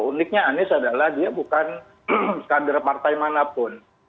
uniknya anies adalah dia bukan kader partai manapun